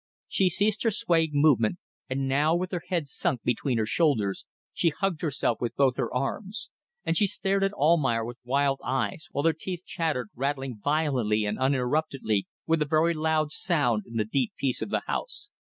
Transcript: She ceased her swaying movement, and now, with her head sunk between her shoulders, she hugged herself with both her arms; and she stared at Almayer with wild eyes, while her teeth chattered, rattling violently and uninterruptedly, with a very loud sound, in the deep peace of the house.